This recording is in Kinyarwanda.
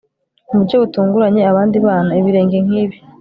mu buryo butunguranye, abandi bana, ibirenge nkibi